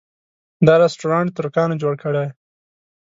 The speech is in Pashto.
دا رسټورانټ ترکانو جوړه کړې.